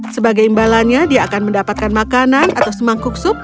sebagai imbalannya dia akan mendapatkan makanan atau semangkuk sup